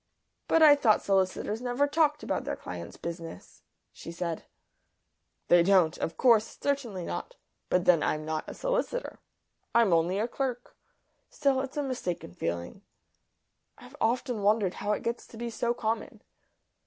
"But I thought solicitors never talked about their clients' business," she said. "They don't. Of course. Certainly not. But then I'm not a solicitor; I'm only a clerk. Still, it's a mistaken feeling; I've often wondered how it gets to be so common."